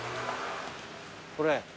これ。